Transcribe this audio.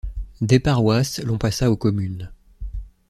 Des paroisses l'on passa aux communes.